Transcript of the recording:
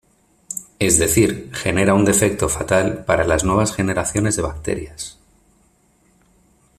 Es decir, genera un defecto fatal para las nuevas generaciones de bacterias..